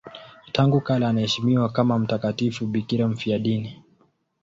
Tangu kale anaheshimiwa kama mtakatifu bikira mfiadini.